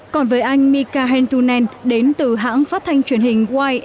còn với anh mika hentunen đến từ hãng phát thanh truyền hình wise